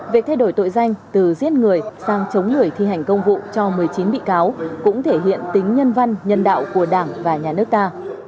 việc thay đổi tội danh từ giết người sang chống người thi hành công vụ cho một mươi chín bị cáo cũng thể hiện tính nhân văn nhân đạo của đảng và nhà nước ta